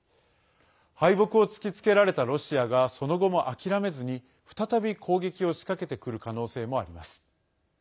敗北を突きつけられたロシアがその後も諦めずに再び攻撃を仕掛けてくる可能性もあります。